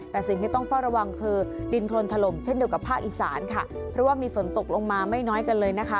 แต่สิ่งที่ต้องเฝ้าระวังคือดินโครนถล่มเช่นเดียวกับภาคอีสานค่ะเพราะว่ามีฝนตกลงมาไม่น้อยกันเลยนะคะ